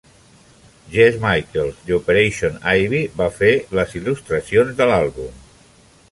Jesse Michaels de Operation Ivy va fer les il·lustracions de l'àlbum.